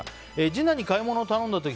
次男に買い物を頼んだ時